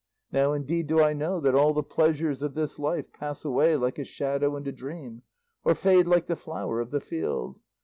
Now indeed do I know that all the pleasures of this life pass away like a shadow and a dream, or fade like the flower of the field.